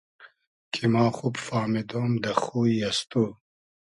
کی ما خوب فامیدۉم دۂ خۉری از تو